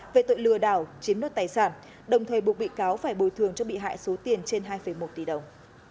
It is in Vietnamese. về tội lừa đảo chiếm đoạt tài sản đồng thời buộc bị cáo phải bồi thường cho bị hại số tiền trên hai một tỷ đồng